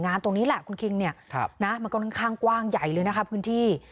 ตรงนี้แหละคุณคิงเนี่ยนะมันก็ค่อนข้างกว้างใหญ่เลยนะคะพื้นที่